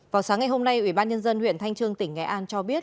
vào sáng ngày hôm nay ủy ban nhân dân huyện thanh trương tỉnh nghệ an cho biết